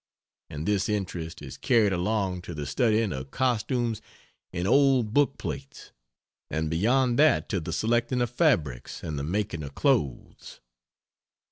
And this interest is carried along to the studying of costumes in old book plates; and beyond that to the selecting of fabrics and the making of clothes.